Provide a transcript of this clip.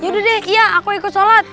yaudah deh ya aku ikut sholat